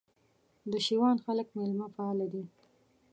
د شېوان خلک مېلمه پاله دي